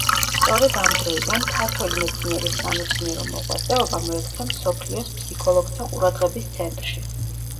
სწორედ ამ დროიდან ქართველი მეცნიერის სამეცნიერო მოღვაწეობა მოექცა მსოფლიოს ფსიქოლოგთა ყურადღების ცენტრში.